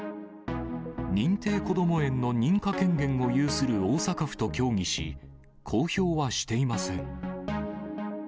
認定こども園の認可権限を有する大阪府と協議し、公表はしていません。